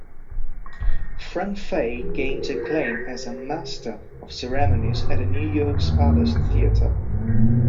Frank Fay gained acclaim as a "master of ceremonies" at New York's Palace Theater.